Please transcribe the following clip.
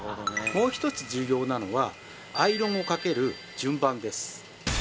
もう一つ重要なのはアイロンをかける順番です。